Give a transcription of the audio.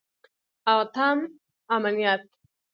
اتم: امنیت.